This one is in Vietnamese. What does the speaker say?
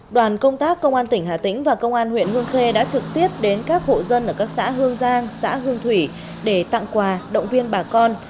đoàn công tác công an tỉnh hà tĩnh và công an huyện hương khê đã trực tiếp đến các hộ dân ở các xã hương giang xã hương thủy để tặng quà động viên bà con